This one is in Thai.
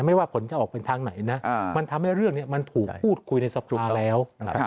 ว่าผลจะออกเป็นทางไหนนะมันทำให้เรื่องนี้มันถูกพูดคุยในสภาแล้ว